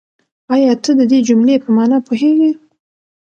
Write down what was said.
آيا ته د دې جملې په مانا پوهېږې؟